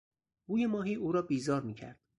بوی ماهی او را بیزار میکرد.